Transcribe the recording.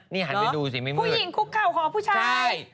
นี่หันไปดูสิไม่มีผู้หญิงคุกเข่าขอผู้ชาย